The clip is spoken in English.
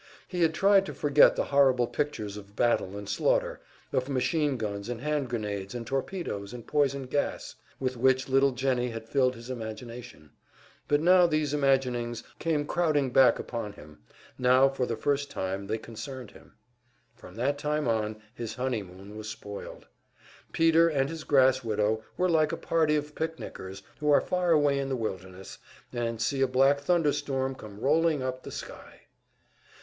He had tried to forget the horrible pictures of battle and slaughter, of machine guns and hand grenades and torpedoes and poison gas, with which little Jennie had filled his imagination; but now these imaginings came crowding back upon him, now for the first time they concerned him. From that time on his honeymoon was spoiled. Peter and his grass widow were like a party of picnickers who are far away in the wilderness, and see a black thunder storm come rolling up the sky!